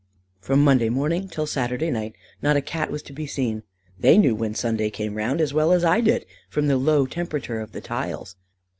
From Monday morning till Saturday night not a Cat was to be seen: they knew when Sunday came round, as well as I did, from the low temperature of the tiles.